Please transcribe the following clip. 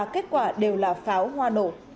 kết quả đều là pháo hoa nổ